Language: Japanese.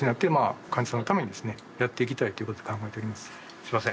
すいません。